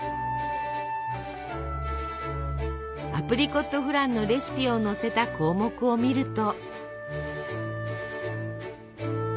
アプリコットフランのレシピを載せた項目を見ると。